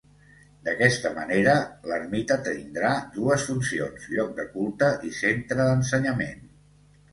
D'aquesta manera, l'ermita tindrà dues funcions: lloc de culte i centre d'ensenyament.